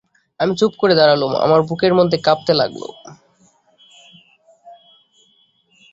আমি চুপ করে দাঁড়ালুম, আমার বুকের মধ্যে কাঁপতে লাগল।